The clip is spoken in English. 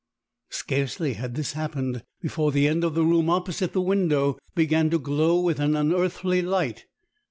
Scarcely had this happened, before the end of the room opposite the window began to glow with an unearthly light.